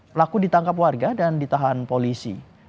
pelaku ditangkap warga dan ditahan polisi